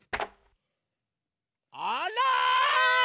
あら！